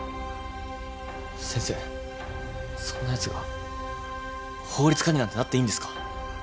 先生そんなやつが法律家になんてなっていいんですか？